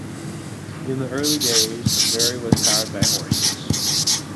In the early days, the ferry was powered by horses.